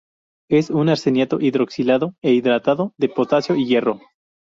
Es un arseniato hidroxilado e hidratado de potasio y hierro.